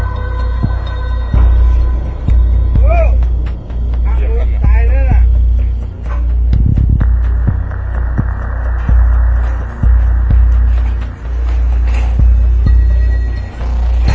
ตอนนี้มีสามสองเครื่องนะครับ